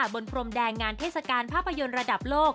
พรมแดงงานเทศกาลภาพยนตร์ระดับโลก